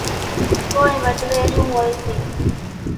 ڪونئين وڍويڙِيئون هوئيَ سي۔